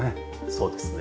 そうですね。